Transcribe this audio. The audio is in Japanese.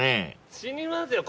死にますよ